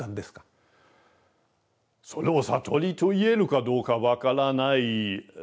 それを悟りと言えるかどうか分からないですね。